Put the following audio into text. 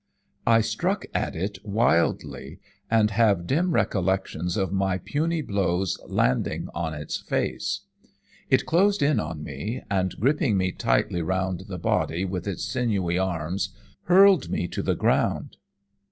I struck at it wildly, and have dim recollections of my puny blows landing on its face. It closed in on me, and gripping me tightly round the body with its sinewy arms, hurled me to the ground.